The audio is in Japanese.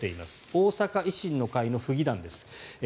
大阪維新の会の府議団です。